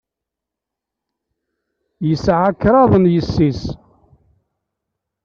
Yesɛa kraḍt n yessi-s.